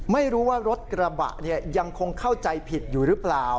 ไม่รู้ว่ารถกระบะยังคงเข้าใจผิดอยู่หรือเปล่า